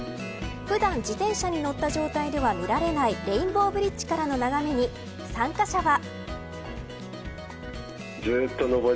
普段自転車に乗った状態では見られないレインボーブリッジからの眺めに参加者は。